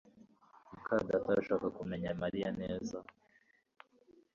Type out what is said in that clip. muka data arashaka kumenya Mariya neza